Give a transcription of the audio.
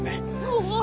うわ